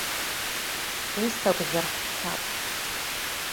Ус акәзар ҳцап.